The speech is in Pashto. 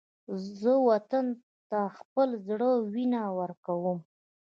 زه وطن ته د خپل زړه وینه ورکوم